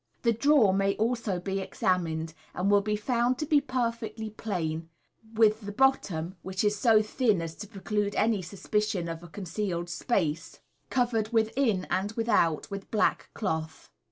The drawer may also beexamined, and will be found to be perfectly plain, with the bottom (which is so thin as to preclude any sus picion of a con cealed space), covered within and without with black cloth.